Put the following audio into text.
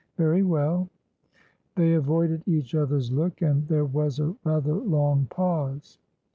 "Very well." They avoided each other's look, and there was a rather long pause.